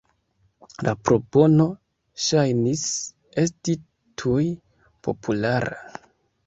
La propono ŝajnis esti tuj populara.